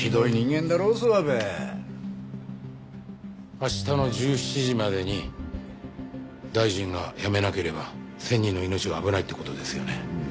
明日の１７時までに大臣が辞めなければ１０００人の命が危ないって事ですよね？